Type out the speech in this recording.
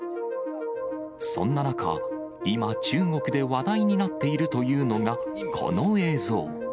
そんな中、今、中国で話題になっているというのが、この映像。